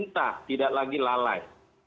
tidak lagi lalai